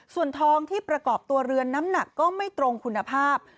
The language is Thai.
ส่วนทองที่ประกอบตัวเรือนน้ำหนักก็ไม่ตรงคุณภาพ